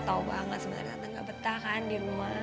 tante gak pedah kan di rumah